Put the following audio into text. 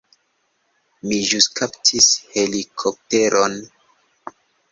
Mi ĵus kaptis helikopteron.